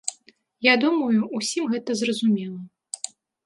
Я думаю, усім гэта зразумела.